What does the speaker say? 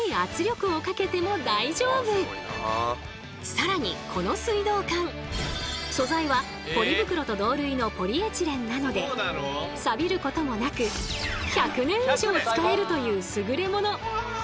更にこの水道管素材はポリ袋と同類のポリエチレンなのでサビることもなく１００年以上使えるという優れもの。